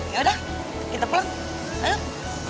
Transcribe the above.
yaudah kita pulang